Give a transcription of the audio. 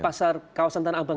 pasar kawasan tanah abang